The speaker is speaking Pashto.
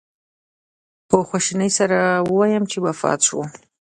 په خواشینۍ سره ووایم چې وفات شو.